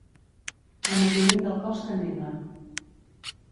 El moviment del cos que nega.